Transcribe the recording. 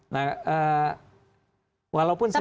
nah walaupun saya mau